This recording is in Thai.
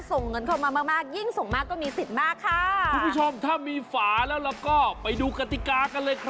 ส่งเงินเข้ามามากยิ่งส่งมากก็มีสิทธิ์มากค่ะ